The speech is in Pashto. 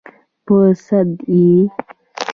_ په سد يې؟